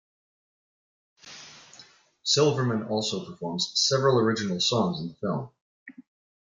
Silverman also performs several original songs in the film.